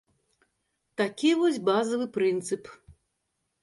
Такі вось базавы прынцып.